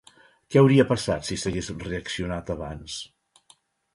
Què hauria passat si s'hagués reaccionat abans?